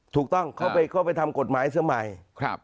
ถูกต้องเขาไปทำกฎหมายซะใหม่